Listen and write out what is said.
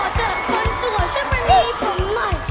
เจอคนสวยช่วยปณีผมหน่อย